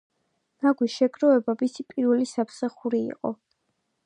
ნაგვის შეგროვება მისი პირველი სამსახური იყო.